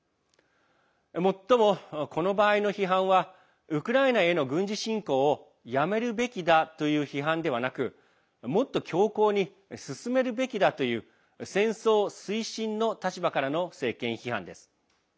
もっとも、この場合の批判はウクライナへの軍事侵攻をやめるべきだという批判ではなくもっと強硬に進めるべきだという戦争推進の立場からの政権批判です。